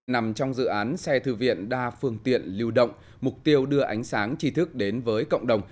nằm trong dự án xe thư viện đa phương tiện lưu động mục tiêu đưa ánh sáng chi thức đến với cộng đồng